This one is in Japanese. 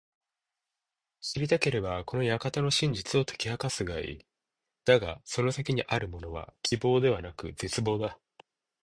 知りたければ、この館の真実を解き明かすがいい。だがその先にあるものは…希望ではなく絶望だ。